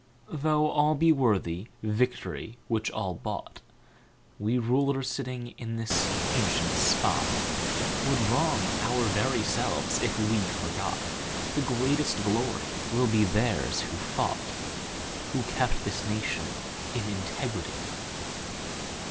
Though all be worthy Victory which all bought, We rulers sitting in this ancient spot Would wrong our very selves if we forgot The greatest glory will be theirs who fought, Who kept this nation in integrity."